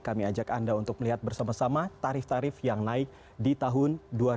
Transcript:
kami ajak anda untuk melihat bersama sama tarif tarif yang naik di tahun dua ribu dua puluh